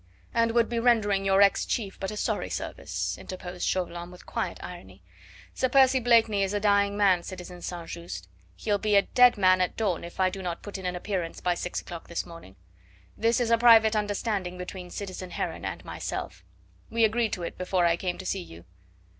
"And would be rendering your ex chief but a sorry service," interposed Chauvelin with quiet irony. "Sir Percy Blakeney is a dying man, citizen St. Just; he'll be a dead man at dawn if I do not put in an appearance by six o'clock this morning. This is a private understanding between citizen Heron and myself. We agreed to it before I came to see you."